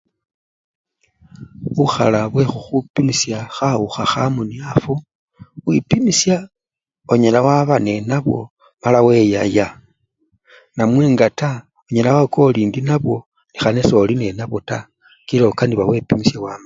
Bukhala bwekhukhupimisha khawukha ha munyafu, wipimisha onyala waba nenabwo mala weyaya namwe nga taa onyala wawuka orii indi nabwo nehana soli nenabwo taa kila okanibwa wepimisha wamanya